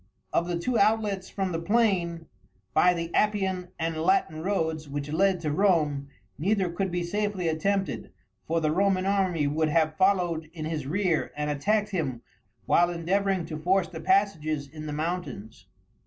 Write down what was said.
Of the two outlets from the plain, by the Appian and Latin roads which led to Rome, neither could be safely attempted, for the Roman army would have followed in his rear, and attacked him while endeavouring to force the passages in the mountains.